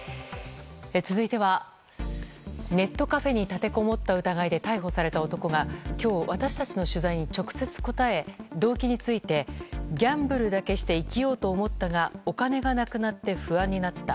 続いては、ネットカフェに立てこもった疑いで逮捕された男が今日私たちの取材に直接答え動機についてギャンブルだけして生きようと思ったがお金がなくなって不安になった。